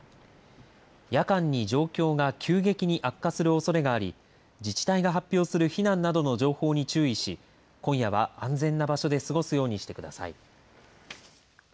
夜間に状況が急激に悪化するおそれがあり、自治体が発表する避難などの情報に注意し今夜は安全な場所で過ごすようにしてください。